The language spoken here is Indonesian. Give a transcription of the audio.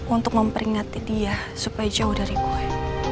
untuk memperingati dia supaya jauh dari gua